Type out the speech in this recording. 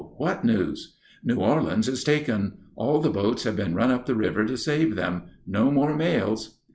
What news?" "New Orleans is taken! All the boats have been run up the river to save them. No more mails."